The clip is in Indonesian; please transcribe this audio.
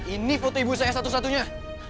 ini foto ibu saya satu satunya